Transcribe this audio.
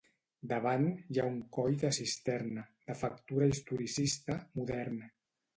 Davant, hi ha un coll de cisterna, de factura historicista, modern.